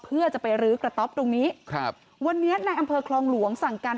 เพื่อจะไปรื้อกระต๊อบตรงนี้ครับวันนี้ในอำเภอคลองหลวงสั่งการ